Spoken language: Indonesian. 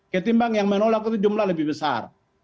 ketimbang yang menolak itu jumlah lebih besar